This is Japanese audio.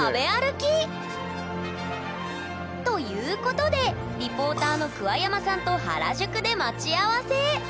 いいね！ということでリポーターの桑山さんと原宿で待ち合わせ！